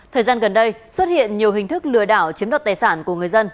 thời gian gần đây xuất hiện nhiều hình thức lừa đảo chiếm đoạt tài sản của người dân